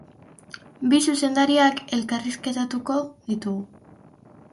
Bi zuzendariak elkarrizketatuko ditu.